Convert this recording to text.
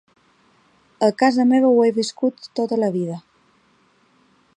A casa meva ho he viscut tota la vida.